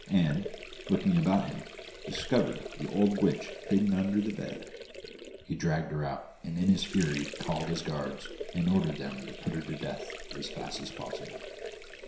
and, looking about him, discovered the old witch hidden under the bed. He dragged her out, and in his fury called his guards, and ordered them to put her to death as fast as possible.